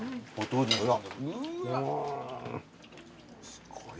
すごい。